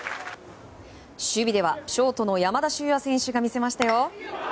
守備ではショートの山田脩也選手が見せましたよ。